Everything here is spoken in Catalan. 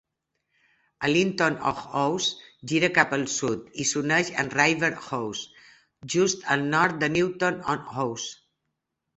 A Linton-on-Ouse gira cap al sud i s'uneix al River Ouse, just al nord de Newton-on-Ouse.